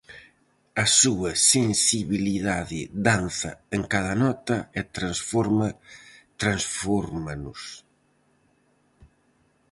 A súa sensibilidade danza en cada nota e transforma, transfórmanos.